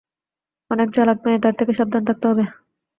অনেক চালাক মেয়ে, তার থেকে সাবধান থাকতে হবে।